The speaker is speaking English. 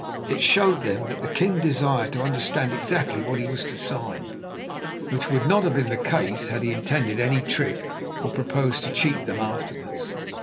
It showed them that the king desired to understand exactly what he was to sign, which would not have been the case had he intended any trick or proposed to cheat them afterwards.